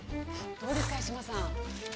◆どうですか、八嶋さん。